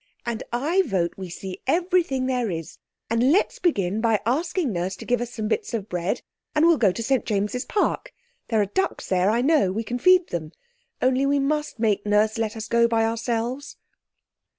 And I vote we see everything there is, and let's begin by asking Nurse to give us some bits of bread and we'll go to St James's Park. There are ducks there, I know, we can feed them. Only we must make Nurse let us go by ourselves."